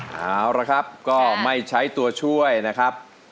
เอาละครับก็ไม่ใช้ตัวช่วยนะครับ